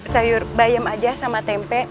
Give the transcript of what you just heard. sayur bayam aja sama tempe